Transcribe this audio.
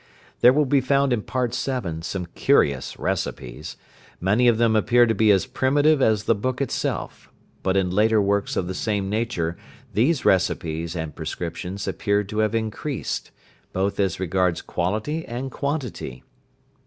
There will be found in part VII., some curious recipes. Many of them appear to be as primitive as the book itself, but in later works of the same nature these recipes and prescriptions appear to have increased, both as regards quality and quantity.